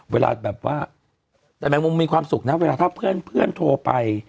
แบบว่าแต่แมงมุมมีความสุขนะเวลาถ้าเพื่อนโทรไป